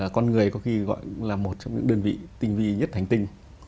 con người có khi gọi là một trong những đơn vị tinh vi nhất thành tinh